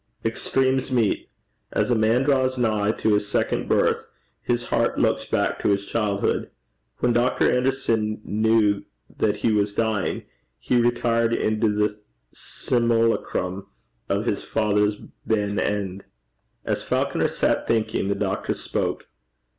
Extremes meet. As a man draws nigh to his second birth, his heart looks back to his childhood. When Dr. Anderson knew that he was dying, he retired into the simulacrum of his father's benn end. As Falconer sat thinking, the doctor spoke.